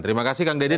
terima kasih kang deddy